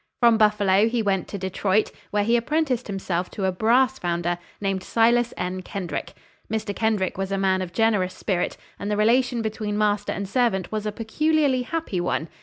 From Buffalo he went to Detroit, where he apprenticed himself to a brass founder, named Silas N. Kendrick. Mr. Kendrick was a man of generous spirit, and the relation between master and servant was a peculiarly happy one.